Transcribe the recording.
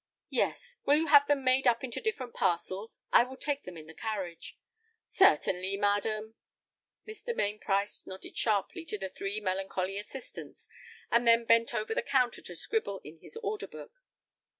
"Yes. Will you have them made up into different parcels? I will take them in the carriage." "Certainly, madam." Mr. Mainprice nodded sharply to the three melancholy assistants, and then bent over the counter to scribble in his order book.